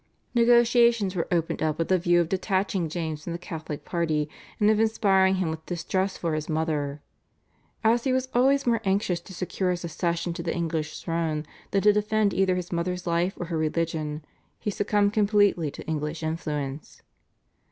Negotiations were opened up with a view of detaching James from the Catholic party, and of inspiring him with distrust for his mother. As he was always more anxious to secure his accession to the English throne than to defend either his mother's life or her religion, he succumbed completely to English influence.